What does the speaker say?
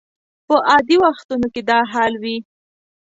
په عادي وختونو کې دا حال وي.